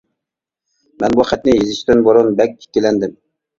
مەن بۇ خەتنى يېزىشتىن بۇرۇن بەك ئىككىلەندىم.